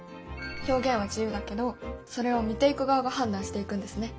表現は自由だけどそれを見ていく側が判断していくんですね。